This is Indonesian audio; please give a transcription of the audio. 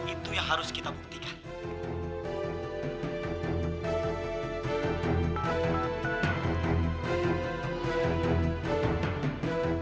itu yang harus kita buktikan